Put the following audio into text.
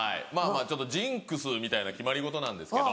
ジンクスみたいな決まり事なんですけど。